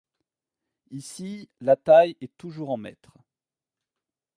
Ici, la taille est toujours en mètres.